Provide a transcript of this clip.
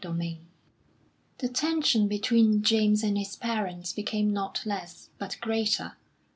XVI The tension between James and his parents became not less, but greater.